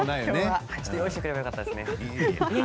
用意してくればよかったですね。